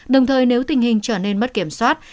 đồng thời nếu tình hình trở nên mất kiểm soát